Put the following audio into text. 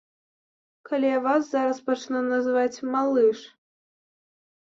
Калі я вас зараз пачну называць малыш?